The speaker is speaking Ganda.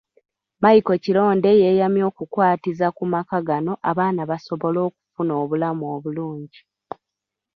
Micheal Kironde yeeyamye okukwatiza ku maka gano abaana basobole okufuna obulamu obulungi.